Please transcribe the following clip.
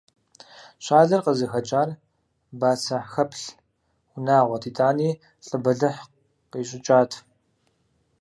ЩӀалэр къызыхэкӀар бацэхэплъ унагъуэт, итӀани лӀы бэлыхъ къищӀыкӀат.